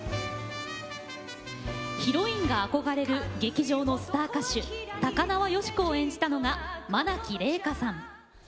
ヒロインが憧れる劇場のスター歌手高輪芳子を演じたのが愛希れいかさん。